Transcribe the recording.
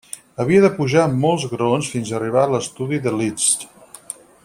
Havia de pujar molts graons fins a arribar a l'estudi de Liszt.